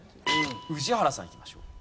宇治原さんいきましょう。